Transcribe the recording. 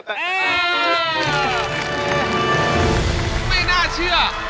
ไม่น่าเชื่อเขายังไม่ถึงแล้วใช่ไหม